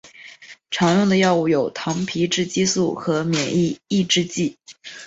常用的药物有糖皮质激素和免疫抑制剂。